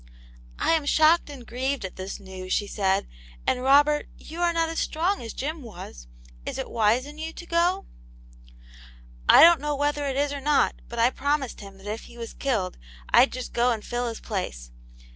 " I am shocked and grieved at this news," she said, " and, Robert, you are not strong as Jim was. Is it wise in you to go }"" I don't know whether it is or not, but I promised him that if he was killed I'd just go and fill his place.